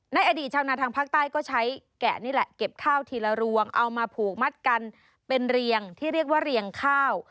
ในอดีตชาวนาทางภาคใต้ก็ใช้แกะนี่แหละเก็บข้าวทีละรวงเอามาผูกมัดกันเป็นเรียงที่เรียกว่าเรียงข้าว